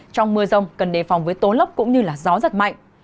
trong mưa rông cần đề phòng với tố lốc cũng như gió giật mạnh